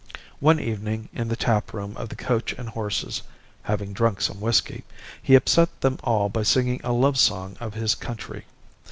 One evening, in the tap room of the Coach and Horses (having drunk some whisky), he upset them all by singing a love song of his country.